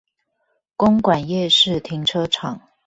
公館夜市停車場